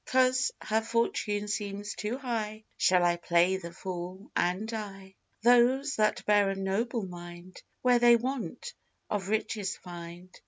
'Cause her fortune seems too high, Shall I play the fool and die? Those that bear a noble mind, Where they want, of riches find.